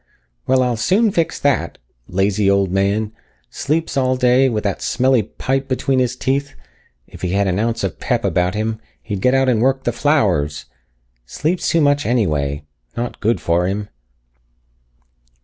"Well, I'll soon fix that! Lazy old man! Sleeps all day with that smelly pipe between his teeth. If he had an ounce of pep about him, he'd get out and work the flowers. Sleeps too much anyway. Not good for him."